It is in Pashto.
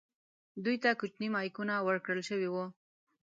دوی ته کوچني مایکونه ورکړل شوي وو.